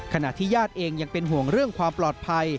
ขณะที่ญาติเองยังเป็นห่วงเรื่องความปลอดภัย